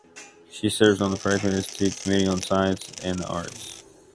She serves on the Franklin Institute Committee on Science and the Arts.